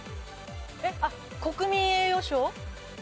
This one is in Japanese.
あっ国民栄誉賞。